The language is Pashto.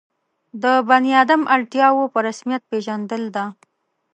د بني آدم اړتیاوو په رسمیت پېژندل ده.